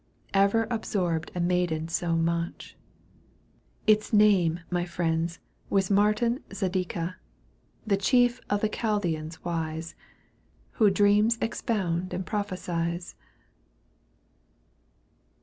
Ever absorbed a maid so much : ^l Its name, my friends, was Martin Zadeka, The chief of the Chaldean wise, Who dreams expound and prophecies.